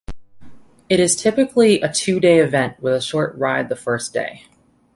It is typically a two-day event with a short ride the first day.